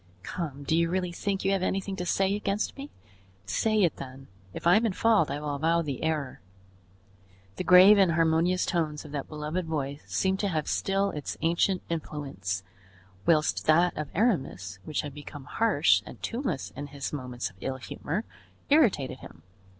Come, do you really think you have anything to say against me? Say it then; if I am in fault I will avow the error." The grave and harmonious tones of that beloved voice seemed to have still its ancient influence, whilst that of Aramis, which had become harsh and tuneless in his moments of ill humor, irritated him.